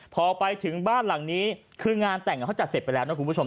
พอไปถึงบ้านหลังนี้คืองานแต่งเขาจัดเสร็จไปแล้วนะคุณผู้ชม